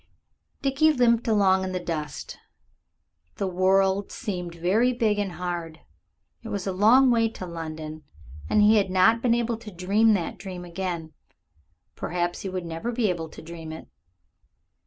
Dickie limped along in the dust, the world seemed very big and hard. It was a long way to London and he had not been able to dream that dream again. Perhaps he would never be able to dream it.